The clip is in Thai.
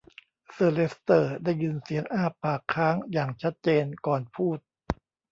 เซอร์เลสเตอร์ได้ยินเสียงอ้าปากค้างอย่างชัดเจนก่อนพูด